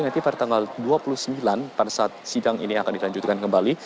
nanti pada tanggal dua puluh sembilan pada saat sidang ini akan dilanjutkan kembali